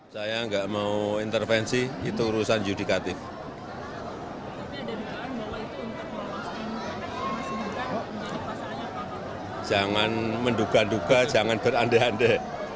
jangan menduga duga jangan berande ande